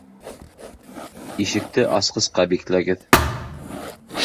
Ишекте асҡысҡа бикләгеҙ